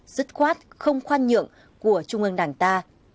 dứt khoát không khoan nhượng của trung ương đảng ta